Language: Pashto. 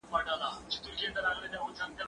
زه اوس سپينکۍ پرېولم؟